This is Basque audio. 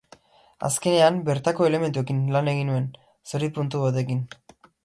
Azkenean, bertako elementuekin lan egin nuen, zori puntu batekin.